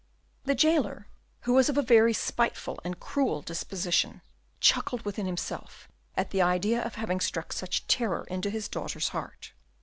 The jailer, who was of a very spiteful and cruel disposition, chuckled within himself at the idea of having struck such terror into his daughter's heart.